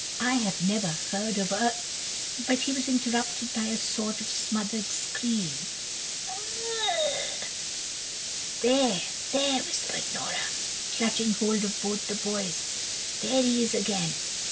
"I never heard of a " but he was interrupted by a sort of smothered scream. "There, there," whispered Nora, clutching hold of both the boys, "there he is again!"